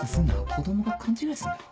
子供が勘違いすんだろ。